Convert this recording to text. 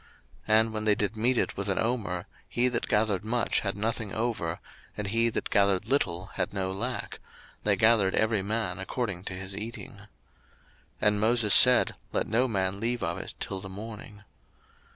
02:016:018 And when they did mete it with an omer, he that gathered much had nothing over, and he that gathered little had no lack; they gathered every man according to his eating. 02:016:019 And Moses said, Let no man leave of it till the morning.